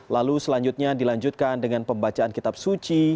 lalu selanjutnya dilanjutkan dengan pembacaan kitab suci